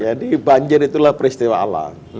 jadi banjir itulah peristiwa alam